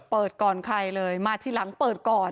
เปิดก่อนใครเลยมาทีหลังเปิดก่อน